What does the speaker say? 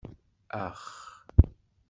Ax!